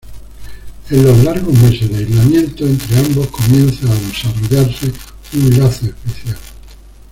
En los largos meses de aislamiento, entre ambos comienza a desarrollarse un lazo especial.